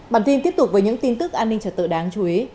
bản tin tiếp tục với những tin tức an ninh trật tự đáng chú ý